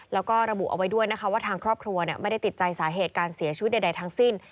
แล้วก็ระบุเอาไว้ด้วยนะคะว่าทางครอบครัวไม่ได้ติดใจสาเหตุการเสียชีวิตใดทั้งสิ้น